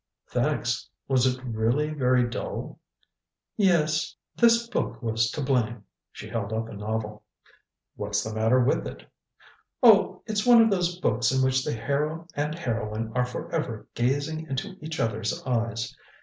"Thanks. Was it really very dull?" "Yes. This book was to blame." She held up a novel. "What's the matter with it?" "Oh it's one of those books in which the hero and heroine are forever 'gazing into each other's eyes.'